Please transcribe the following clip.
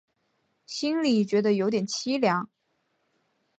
心里觉得有点凄凉